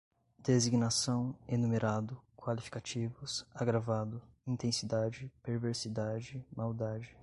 designação, enumerado, qualificativos, agravado, intensidade, perversidade, maldade